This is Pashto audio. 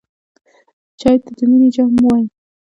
چای ته د مینې جام وایم.